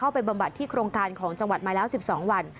ไปบำบัดที่โครงการของจังหวัดมาแล้ว๑๒วัน